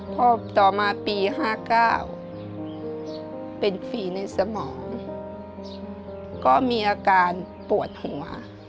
พอต่อมาปี๕๙เป็นฝีในสมองก็มีอาการปวดหัว